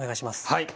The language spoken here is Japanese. はい。